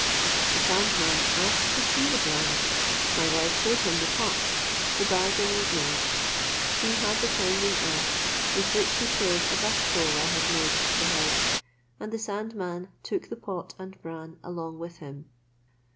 The sandman asked to see the bran. My wife shewed him the pot; the bargain was made; she had the cleansing earth, with which she filled a dust hole I had made to the house, and the sandman took the pot and bran along with him.